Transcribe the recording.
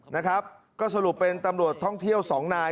นะครับก็สรุปเป็นตำรวจท่องเที่ยวสองนาย